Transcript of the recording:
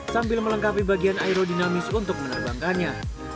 sambil melengkapi bagian aerodinamis untuk menerbangkannya